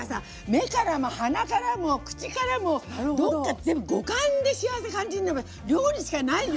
目からも鼻からも口からもどっか全部五感で幸せ感じるの料理しかないよ。